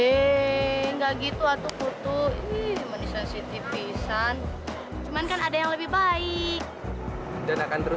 enggak gitu aku putu ini menyesal si tipisan cuman kan ada yang lebih baik dan akan terus